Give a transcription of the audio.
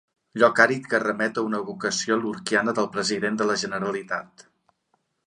Lloc àrid que remet a una evocació lorquiana del president de la Generalitat.